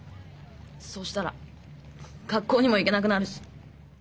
そしたら学校にも行けなくなるし。